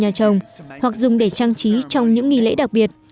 cô gái có thể dùng răng râu nhà chồng hoặc dùng để trang trí trong những nghỉ lễ đặc biệt